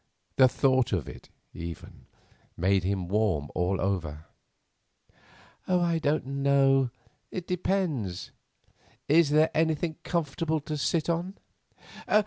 The thought of it, even, made him warm all over. "I don't know; it depends. Is there anything comfortable to sit on?"